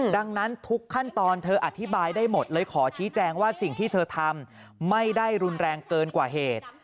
ดังนั้นทุกขั้นตอนเธออธิบายได้หมดเลยขอชี้แจงว่าสิ่งที่เธอทำไม่ได้รุนแรงเกินกว่าเหตุ